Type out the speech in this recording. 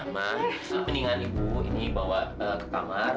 memang mendingan ibu ini bawa ke kamar